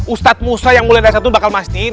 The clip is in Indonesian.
ustaz musa yang mulia dari satu bakal pastiin